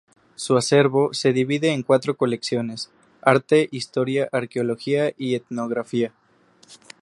Su acervo se divide en cuatro colecciones: arte, historia, arqueología y etnografía.